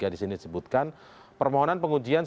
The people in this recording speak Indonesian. disini disebutkan permohonan pengujian